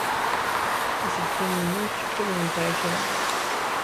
Aselkim-inu yessefk ad yenfeɛ i kra.